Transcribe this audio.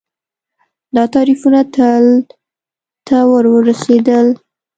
دا تعریفونه تل ته ورورسېدل